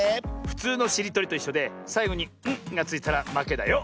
ふつうのしりとりといっしょでさいごに「ん」がついたらまけだよ。